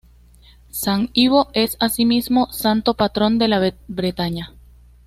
San Ivo es así mismo santo patrón de la Bretaña.